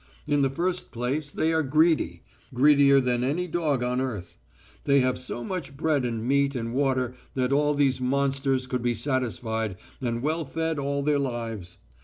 In the first place, they are greedy greedier than any dog on earth. They have so much bread and meat and water that all these monsters could be satisfied and well fed all their lives.